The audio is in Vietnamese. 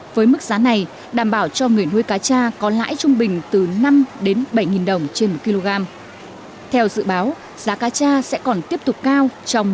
với mức giá này đảm bảo cho các doanh nghiệp có thể tăng trưởng